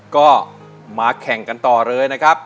ก็มาแข่งกันต่อเลยนะครับ